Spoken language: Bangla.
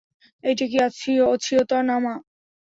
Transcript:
এইটা কি অছিয়তনামা?